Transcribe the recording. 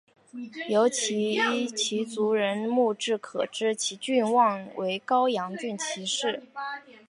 仅由其族人墓志可知其郡望为高阳郡齐氏。